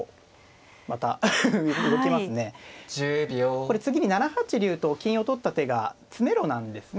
これ次に７八竜と金を取った手が詰めろなんですね